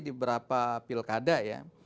di beberapa pilkada ya